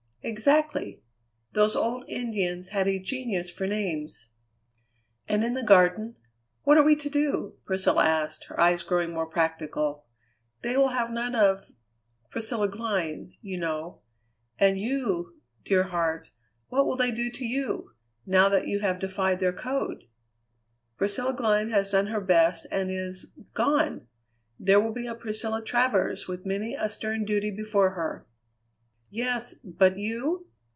"Exactly! Those old Indians had a genius for names." "And in the Garden what are we to do?" Priscilla asked, her eyes growing more practical. "They will have none of Priscilla Glynn, you know. And you, dear heart, what will they do to you, now that you have defied their code?" "Priscilla Glynn has done her best and is gone! There will be a Priscilla Travers with many a stern duty before her." "Yes, but you?"